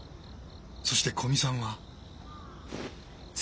そして古見さんは。